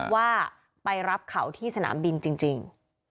ว่าไปรับเขาที่สนามบินจริง